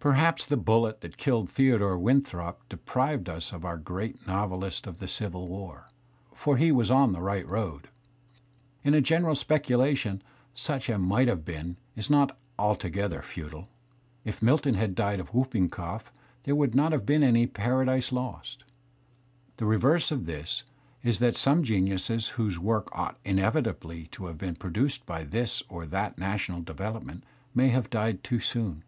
Perhaps the bullet that killed Theodore Winthrop deprived us of our great novelist of the Civil War, for he was on the right road. In a general speculation such a might have been is not altogether futile; if Milton had died of whooping cough there would not have been any "Paradise Lost"; the reverse of this is that some geniuses whose works ought inevitably to have been produced by this or that national development may have died too soon.